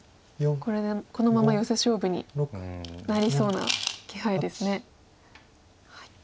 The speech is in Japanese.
これでこのままヨセ勝負になりそうな気配ですね。